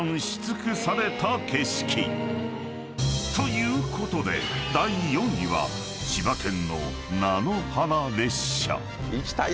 ということで第４位は千葉県の菜の花列車］